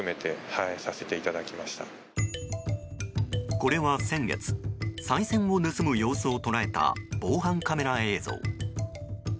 これは、先月さい銭を盗む様子を捉えた防犯カメラ映像。